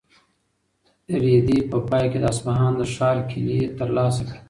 رېدي په پای کې د اصفهان د ښار کیلي ترلاسه کړه.